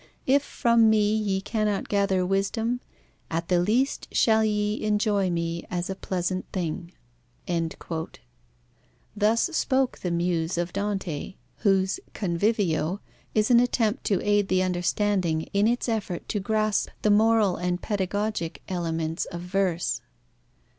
If from me ye cannot gather wisdom, at the least shall ye enjoy me as a pleasant thing." Thus spoke the Muse of Dante, whose Convivio is an attempt to aid the understanding in its effort to grasp the moral and pedagogic elements of verse.